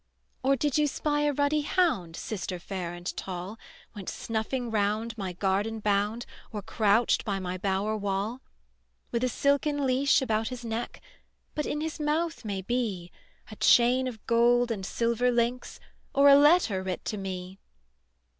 "Or did you spy a ruddy hound, Sister fair and tall, Went snuffing round my garden bound, Or crouched by my bower wall? With a silken leash about his neck; But in his mouth may be A chain of gold and silver links, Or a letter writ to me."